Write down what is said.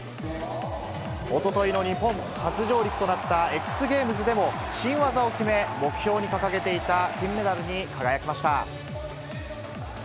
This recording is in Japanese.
おとといの日本初上陸となったＸＧａｍｅｓでも新技を決め、目標に掲げていた金メダルに輝きました。